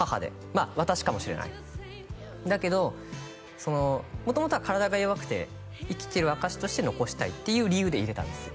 「まあ私かもしれない」だけどその元々は体が弱くて「生きてる証しとして残したい」っていう理由で入れたんです